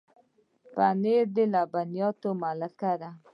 پنېر د لبنیاتو ملکه ده.